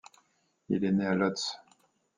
Il est né à Lódz.